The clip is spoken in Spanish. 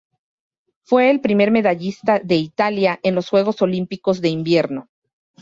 Fue el primer medallista de Italia en los Juegos Olímpicos de Invierno.